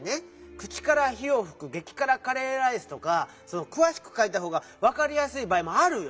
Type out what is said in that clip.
「口から火をふくげきからカレーライス」とかくわしくかいたほうがわかりやすいばあいもあるよ！